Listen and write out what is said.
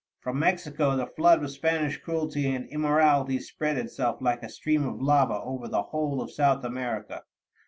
From Mexico the flood of Spanish cruelty and immorality spread itself like a stream of lava over the whole of South America.